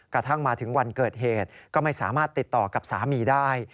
กระทั่งมาถึงวันเกิดเหตุก็ไม่สามารถติดต่อกับสามีได้